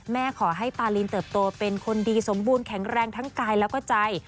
ขอให้ปาลินเติบโตเป็นคนดีสมบูรณแข็งแรงทั้งกายแล้วก็ใจ